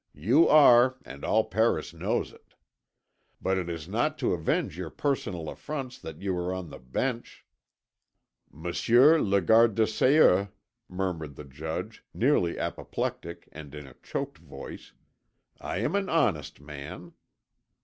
You are, and all Paris knows it. But it is not to avenge your personal affronts that you are on the Bench." "Monsieur le Garde des Sceaux," murmured the Judge, nearly apoplectic and in a choked voice. "I am an honest man."